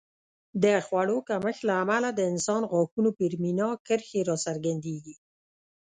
د خوړو کمښت له امله د انسان غاښونو پر مینا کرښې راڅرګندېږي